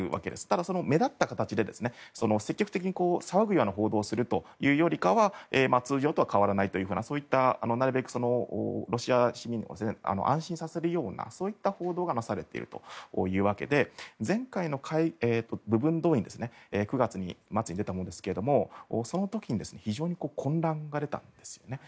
ただ、目立った形で積極的に騒ぐような報道をするというよりかは通常と変わらないというなるべくロシア市民を安心させるような報道がされているというわけで前回の部分動員９月末に出たものですがその時に非常に混乱が出たんですね。